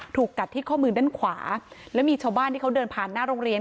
ถูกกัดที่ข้อมือด้านขวาแล้วมีชาวบ้านที่เขาเดินผ่านหน้าโรงเรียน